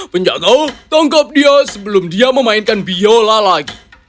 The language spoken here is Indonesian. penjagau tangkap dia sebelum dia memainkan biola lagi